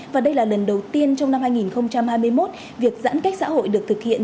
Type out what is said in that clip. và đây là lần đầu tiên trong năm hai nghìn hai mươi một việc giãn cách xã hội được thực hiện